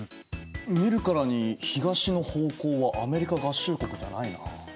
見るからに東の方向はアメリカ合衆国じゃないなあ。